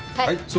はい。